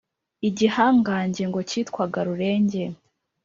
igihangange ngo cyitwaga rurenge.